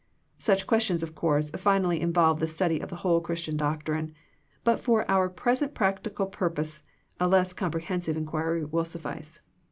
Such ques tions, of course, finally involve the study of the whole of Christian doctrine : but for our present practical purpose a less comprehensive inquiry will suffice.